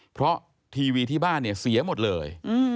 เพราะทีวีที่บ้านเนี่ยเสียหมดเลย